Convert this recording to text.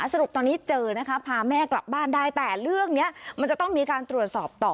สรุปตอนนี้เจอนะคะพาแม่กลับบ้านได้แต่เรื่องนี้มันจะต้องมีการตรวจสอบต่อ